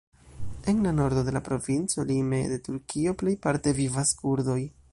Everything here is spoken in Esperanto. En la nordo de la provinco lime de Turkio plejparte vivas kurdoj.